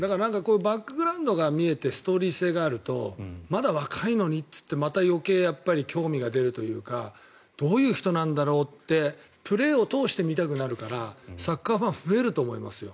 バックグラウンドが見えてストーリー性があるとまだ若いのにっていって余計に興味が出るというかどういう人なんだろうってプレーを通して見たくなるからサッカーファンが増えると思いますよ。